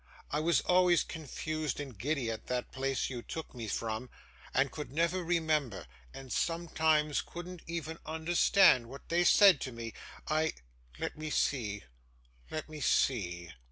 I was always confused and giddy at that place you took me from; and could never remember, and sometimes couldn't even understand, what they said to me. I let me see let me see!